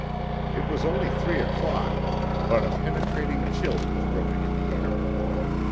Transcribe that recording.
It was only three o'clock, but a penetrating chill was growing in the air.